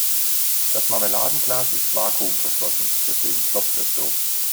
Das Marmeladenglas ist vakuumverschlossen, deswegen ploppt es so.